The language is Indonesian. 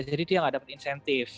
jadi dia nggak dapet insentif